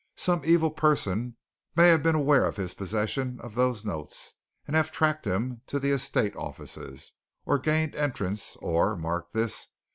Some evil person may have been aware of his possession of those notes and have tracked him to the estate offices, or gained entrance, or mark this!